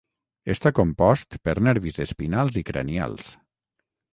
Està compost per nervis espinals i cranials.